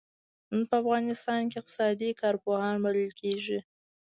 نن په افغانستان کې اقتصادي کارپوهان بلل کېږي.